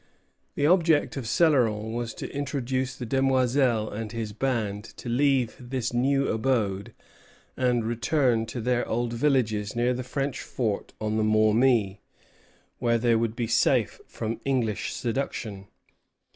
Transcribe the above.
The object of Cèloron was to induce the Demoiselle and his band to leave this new abode and return to their old villages near the French fort on the Maumee, where they would be safe from English seduction.